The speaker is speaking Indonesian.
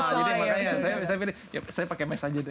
jadi makanya ya saya bisa pilih ya saya pakai mask aja deh